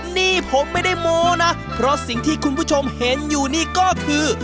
นี่ผมไม่ได้โม้นะเพราะสิ่งที่คุณผู้ชมเห็นอยู่นี่ก็คือ